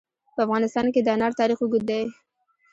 په افغانستان کې د انار تاریخ اوږد دی.